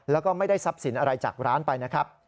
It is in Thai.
แล้วก็ไม่ได้ทรัพย์สินอะไรจากร้านไปนะครับ